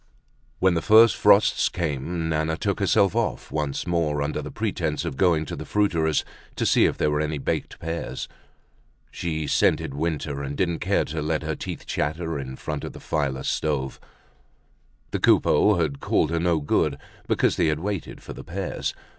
When the first frosts came Nana took herself off once more under the pretence of going to the fruiterer's to see if there were any baked pears. She scented winter and didn't care to let her teeth chatter in front of the fireless stove. The Coupeaus had called her no good because they had waited for the pears.